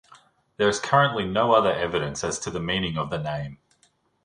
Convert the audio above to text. There is currently no other evidence as to the meaning of the name.